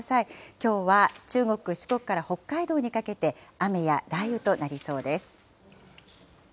きょうは中国、四国から北海道にかけて、雨や雷雨となりそうです。